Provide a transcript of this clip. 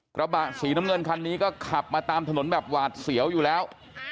กระบะสีน้ำเงินคันนี้ก็ขับมาตามถนนแบบหวาดเสียวอยู่แล้ว